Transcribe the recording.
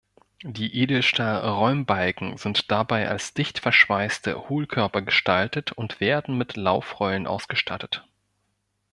Die Edelstahl-Räumbalken sind dabei als dicht verschweißte Hohlkörper gestaltet und werden mit Laufrollen ausgestattet.